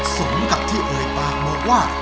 สมกับที่เอ่ยปากบอกว่า